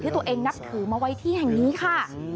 ตัวเองนับถือมาไว้ที่แห่งนี้ค่ะ